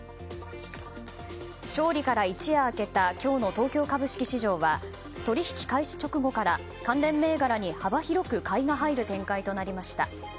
勝利から一夜明けた今日の東京株式市場は取引開始直後から関連銘柄に幅広く買いが入る展開となりました。